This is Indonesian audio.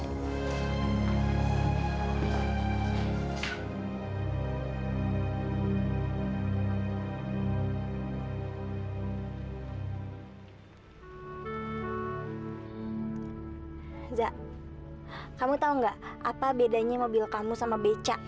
aida kamu tahu apa bedanya mobil kamu sama beca